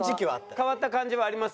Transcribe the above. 変わった感じはあります？